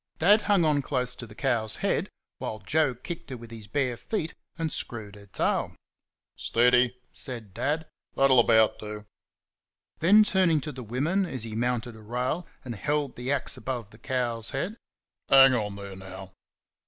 Dad hung on close to the cow's head, while Joe kicked her with his bare foot and screwed her tail. "Steady!" said Dad, "that'll about do." Then, turning to the women as he mounted a rail and held the axe above the cow's head: "Hang on there now!"